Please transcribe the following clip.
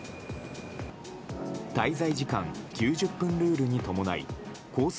滞在時間９０分ルールに伴いコース